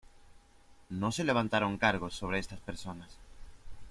No se levantaron cargos sobre estas personas.